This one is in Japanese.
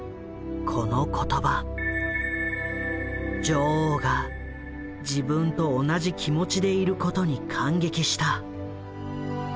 女王が自分と同じ気持ちでいることに感激した。